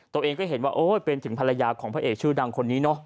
ตัวเองก็เห็นว่าโอ๊ยเป็นถึงภรรยาของพระเอกชื่อดังคนนี้เนอะ